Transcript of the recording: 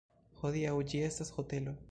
Hodiaŭ ĝi estas hotelo.